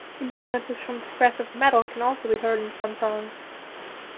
Influences from progressive metal can also be heard in some songs.